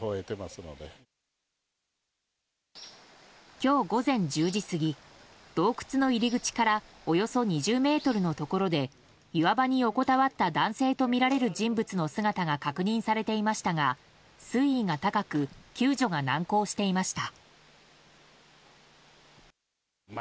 今日午前１０時過ぎ洞窟の入り口からおよそ２０ｍのところで岩場に横たわった男性とみられる人物の姿が確認されていましたが水位が高く救助が難航していました。